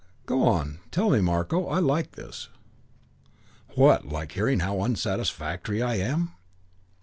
"Go on; tell me, Marko. I like this." "What, like hearing how unsatisfactory I am?"